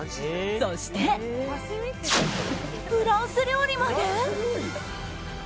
そして。フランス料理まで。